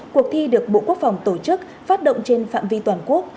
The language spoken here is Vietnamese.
cuộc thi được bộ quốc phòng tổ chức phát động trên phạm vi toàn quốc